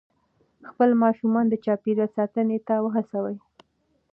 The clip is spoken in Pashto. خپل ماشومان د چاپېریال ساتنې ته وهڅوئ.